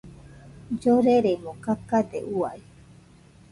Lloreremo kakade uai.